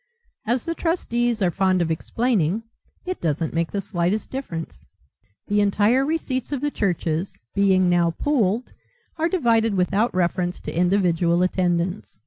As the trustees are fond of explaining it doesn't make the slightest difference. The entire receipts of the churches, being now pooled, are divided without reference to individual attendance.